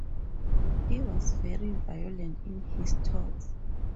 He was very violent in his talks.